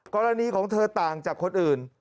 กรณีของเธอต่างจากคนอื่น